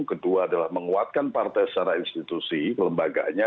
kedua adalah menguatkan partai secara institusi kelembaganya